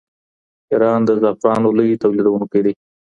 ایران د زعفرانو لوی تولیدوونکی دی.